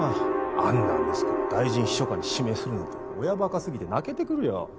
あんな息子を大臣秘書官に指名するなんて親ばかすぎて泣けてくるよ。